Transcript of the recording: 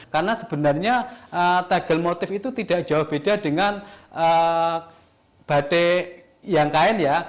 karena sebenarnya tegel motif itu tidak jauh beda dengan batik yang kain ya